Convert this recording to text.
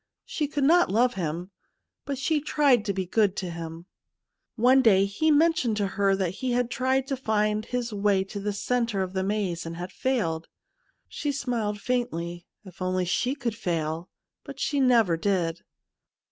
She could not love him, but she tried to be good to him. One day he men tioned to her that he had tried to find his way to the centre of the maze, and had failed. She smiled faintly. If only she could fail ! But she never did.